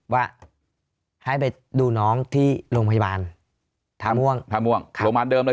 ว่าให้ไปดูน้องที่โรงพยาบาลท่าม่วงท่าม่วงโรงพยาบาลเดิมเลย